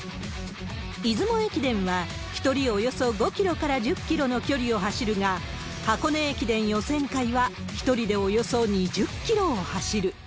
出雲駅伝は、１人およそ５キロから１０キロの距離を走るが、箱根駅伝予選会は、１人でおよそ２０キロを走る。